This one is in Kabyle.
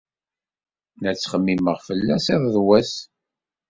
La tt-xemmimeɣ fell-as iḍ d wass.